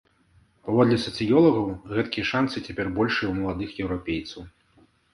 Паводле сацыёлагаў, гэткія шанцы цяпер большыя ў маладых еўрапейцаў.